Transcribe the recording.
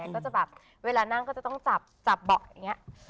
ก็จะแบบเวลานั่งก็จะต้องจับเบาะอย่างนี้